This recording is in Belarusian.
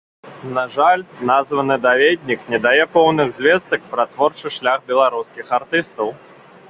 На жаль, названы даведнік не дае поўных звестак пра творчы шлях беларускіх артыстаў.